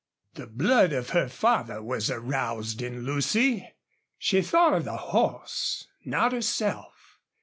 The blood of her father was aroused in Lucy. She thought of the horse not herself.